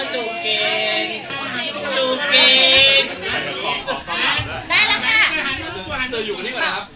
จุกกิน